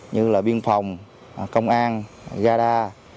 như là biên phòng công an gada